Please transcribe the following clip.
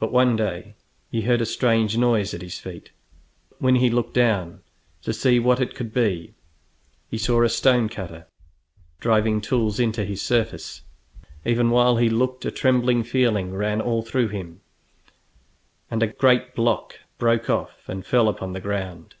But one day he heard a strange noise at his feet, and when he looked down to see what it could be, he saw a stone cutter driving tools into his surface. Even while he looked a trembling feeling ran all through him, and a great block broke off and fell upon the ground.